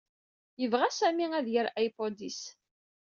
Yebɣa Sami ad d-yerr iPod-is.